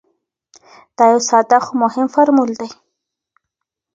دا یو ساده خو مهم فرمول دی.